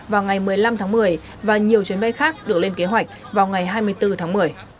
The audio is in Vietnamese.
vào ngày một mươi năm tháng một mươi và nhiều chuyến bay khác được lên kế hoạch vào ngày hai mươi bốn tháng một mươi